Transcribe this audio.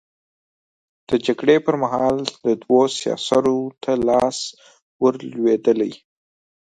د جګړې پر مهال دوو سياسرو ته لاس ور لوېدلی.